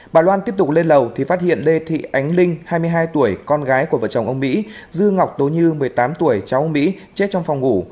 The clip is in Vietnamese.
bà loan tiếp tục lên lầu thì phát hiện lê thị ánh linh hai mươi hai tuổi con gái của vợ chồng ông mỹ dư ngọc tố như một mươi tám tuổi cháu mỹ chết trong phòng ngủ